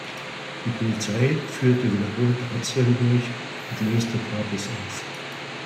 Die Polizei führte wiederholt Razzien durch und löste Partys auf.